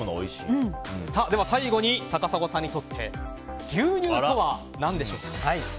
では最後に高砂さんにとって牛乳とは何でしょうか？